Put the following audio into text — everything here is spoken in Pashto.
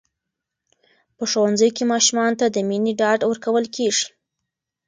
په ښوونځي کې ماشومانو ته د مینې ډاډ ورکول کېږي.